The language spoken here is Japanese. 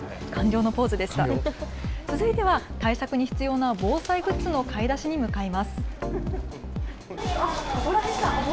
続いては対策に必要な防災グッズの買い出しに向かいます。